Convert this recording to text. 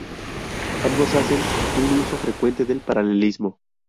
Ambos hacen un uso frecuente del paralelismo.